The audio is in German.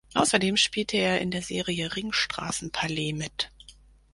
Außerdem spielte er in der Serie "Ringstraßenpalais" mit.